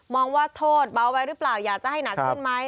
ว่าโทษเบาไว้หรือเปล่าอยากจะให้หนักขึ้นไหม